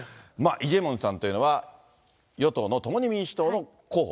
イ・ジェミョンさんというのは与党の共に民主党の候補。